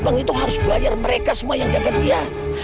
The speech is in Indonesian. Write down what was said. abang itu harus bayar mereka semua yang jagain dia